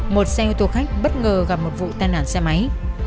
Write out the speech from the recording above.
một xe ô tô khách bất ngờ gặp một vụ tai nạn xe máy